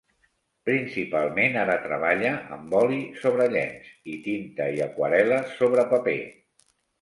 Principalment ara treballa amb oli sobre llenç i tinta i aquarel·la sobre paper.